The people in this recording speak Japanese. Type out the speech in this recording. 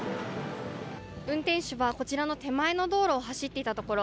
運転手は、こちらの手前の道路を走っていたところ